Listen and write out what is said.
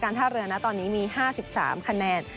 ท่าเรือนะตอนนี้มี๕๓คะแนน